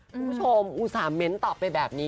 คุณผู้ชมอุตส่าห์เม้นต์ตอบไปแบบนี้